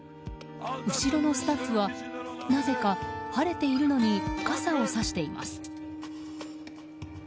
後ろのスタッフは、なぜか晴れているのに傘をさしています。